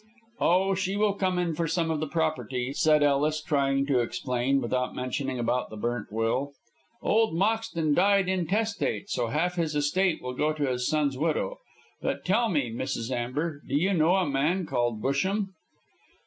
"Oh, she will come in for some of the property," said Ellis, trying to explain without mentioning about the burnt will. "Old Moxton died intestate, so half his estate will go to his son's widow. But tell me, Mrs. Amber, do you know a man called Busham?"